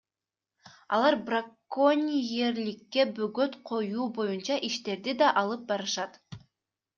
Алар браконьерликке бөгөт коюу боюнча иштерди да алып барышат.